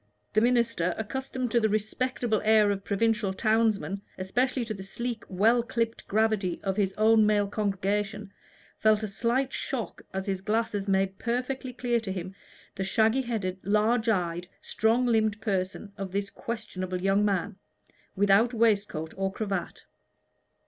The minister, accustomed to the respectable air of provincial townsmen, and especially to the sleek well clipped gravity of his own male congregation, felt a slight shock as his glasses made perfectly clear to him the shaggy headed, large eyed, strong limbed person of this questionable young man, without waistcoat or cravat.